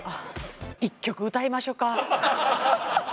１曲歌いましょか？